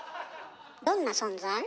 どんな存在？